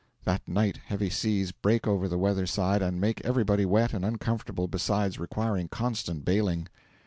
That night heavy seas break over the weather side and make everybody wet and uncomfortable besides requiring constant baling.